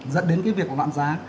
dẫn đến cái việc loạn giá